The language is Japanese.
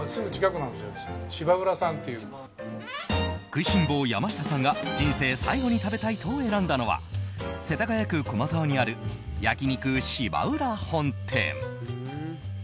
食いしん坊、山下さんが人生最後に食べたいと選んだのは世田谷区駒沢にある焼肉芝浦本店。